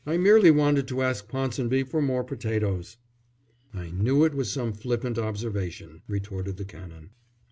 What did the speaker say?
"I merely wanted to ask Ponsonby for more potatoes." "I knew it was some flippant observation," retorted the Canon.